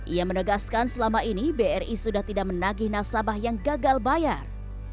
ia menegaskan selama ini bri sudah tidak menagih nasabah yang gagal bayar